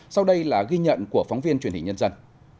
sau đây là ghi nhận của phóng viên truyền hình nhân dân